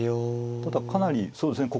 ただかなりそうですね